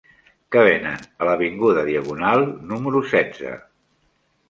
Què venen a l'avinguda Diagonal número setze?